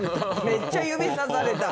めっちゃ指さされた。